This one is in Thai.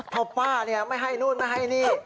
พ่อป้าเนี่ยไม่ให้นู้นไม่ให้นี่